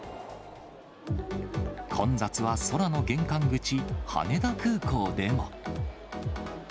混雑は空の玄関口、羽田空港でも。